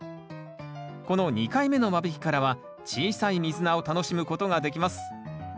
この２回目の間引きからは小さいミズナを楽しむことができます。